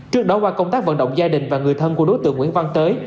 trước đó qua công tác vận động gia đình và người thân của đối tượng nguyễn văn tới